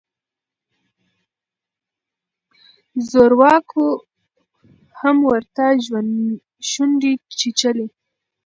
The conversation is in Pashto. زورواکو هم ورته شونډې چیچلې.